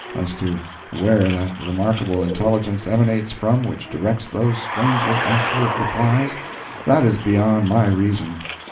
As to where that remarkable intelligence emanates from which directs those strangely accurate replies, that is beyond my reason.